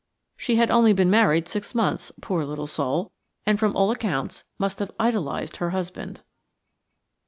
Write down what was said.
She had only been married six months, poor little soul, and from all accounts must have idolised her husband.